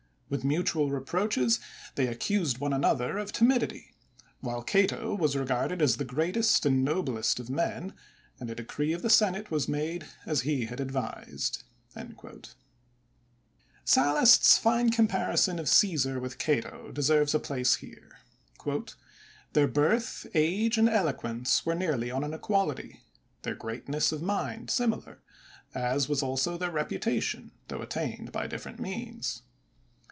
With mutual reproaches, they accused one another of ti midity; while Cato was regarded as the greatest and noblest of men, and a decree of the senate was made as he had advised/* Sallust's fine comparison of Cesar with Cato deserves a place h<>re: '' Their birth, age, and eloquence were nearly on an equality; tiieir greatness of mind similar, as was also their reputation, the attained by different means.